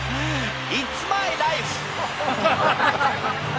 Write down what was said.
イッツ・マイ・ライフ！